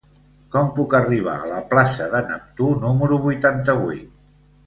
Com puc arribar a la plaça de Neptú número vuitanta-vuit?